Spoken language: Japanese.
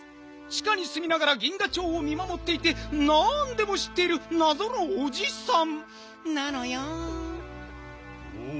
ちかにすみながら銀河町を見まもっていてなんでもしっているなぞのおじさんなのよん。